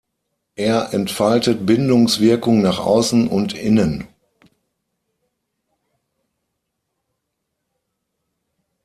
Er entfaltet Bindungswirkung nach außen und innen.